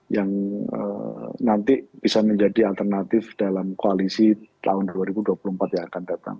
yang nanti bisa menjadi alternatif dalam koalisi tahun dua ribu dua puluh empat yang akan datang